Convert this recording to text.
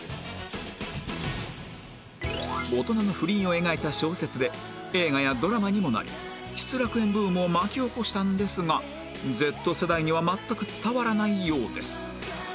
大人の不倫を描いた小説で映画やドラマにもなり『失楽園』ブームを巻き起こしたんですが Ｚ 世代には全く伝わらないようです